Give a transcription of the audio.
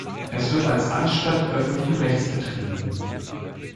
Es wird als Anstalt öffentlichen Rechts betrieben.